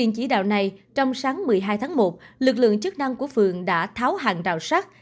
chỉ đạo này trong sáng một mươi hai tháng một lực lượng chức năng của phường đã tháo hàng rào sắt